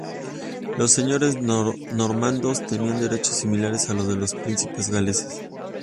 Los Señores Normandos tenían derechos similares a los de los príncipes galeses.